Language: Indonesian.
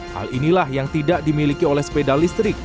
hal inilah yang tidak dimiliki oleh sepeda listrik